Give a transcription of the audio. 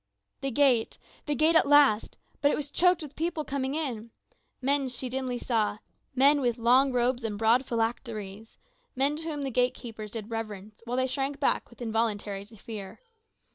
The gate the gate at last; but it is choked with people coming in. Men, she dimly saw, men with long robes and broad phylacteries; men to whom the gate keepers did reverence while they shrank back with involuntary fear.